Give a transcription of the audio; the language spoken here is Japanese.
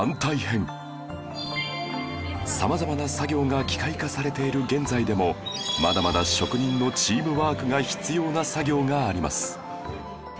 さまざまな作業が機械化されている現在でもまだまだ職人のチームワークが必要な作業があります